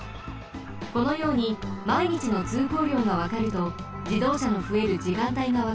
このようにまいにちのつうこうりょうがわかるとじどうしゃのふえるじかんたいがわかります。